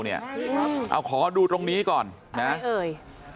เอาขอดูตรงนี้ก่อนนะเอ่ย